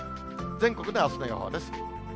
全国のあすの予報です。